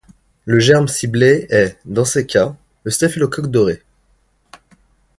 Le germe ciblé est, dans ces cas, le staphylocoque doré.